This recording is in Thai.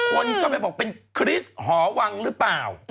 คนก็ไปบอกเป็นคริสต์หอวังหรือเปล่า